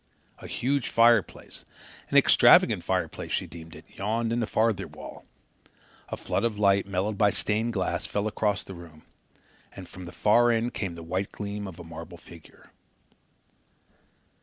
A huge fireplace an extravagant fireplace, she deemed it yawned in the farther wall. A flood of light, mellowed by stained glass, fell across the room, and from the far end came the white gleam of a marble figure.